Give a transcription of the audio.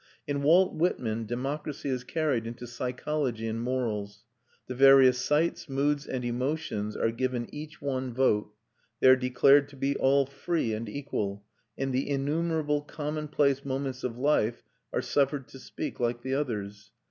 In Walt Whitman democracy is carried into psychology and morals. The various sights, moods, and emotions are given each one vote; they are declared to be all free and equal, and the innumerable commonplace moments of life are suffered to speak like the others.